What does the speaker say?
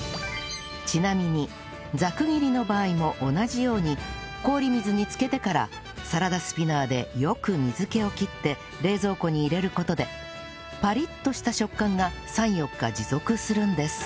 ちなみにざく切りの場合も同じように氷水に浸けてからサラダスピナーでよく水気を切って冷蔵庫に入れる事でパリッとした食感が３４日持続するんです